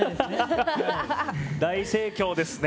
大盛況ですね。